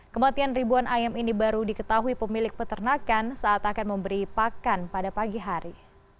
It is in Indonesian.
kematian ribuan ayam ini baru diketahui pemilik peternakan saat akan memberi pakan pada pagi hari